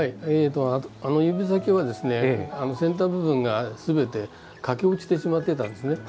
あの指先は、先端部分がすべて欠け落ちてしまっていたんですね。